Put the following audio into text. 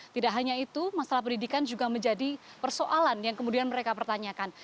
tidak hanya itu masalah pendidikan juga menjadi persoalan yang kemudian mereka pertanyakan